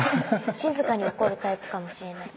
静かに怒るタイプかもしれない。